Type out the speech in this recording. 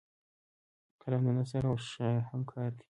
قلم د نثر او شعر همکار دی